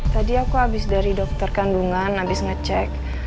tadi aku abis dari dokter kandungan abis ngecek